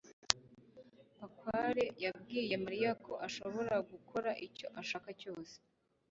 bakware yabwiye mariya ko ashobora gukora icyo ashaka cyose